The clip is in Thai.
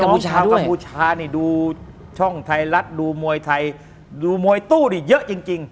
ชาวกัมพูชานี่ดูช่องไทยรัฐดูมวยไทยดูมวยตู้นี่เยอะจริงจริง